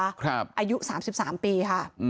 อายุ๓๓ปีค่ะ